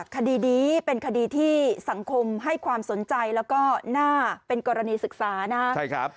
คดีนี้เป็นคดีที่สังคมให้ความสนใจและหน้าเป็นกรณีศึกษา